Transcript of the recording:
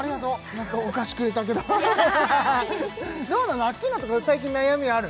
何かお菓子くれたけどどうなのアッキーナとか最近悩みはある？